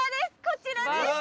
こちらです！